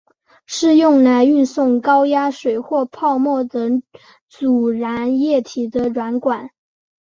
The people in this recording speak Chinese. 是用来运送高压水或泡沫等阻燃液体的软管。